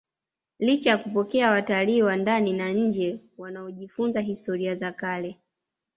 Licha ya kupokea watalii wa ndani na nje wanaojifunza historia za kale